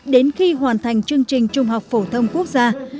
đến khi hoàn thành chương trình trung học phổ thông quốc gia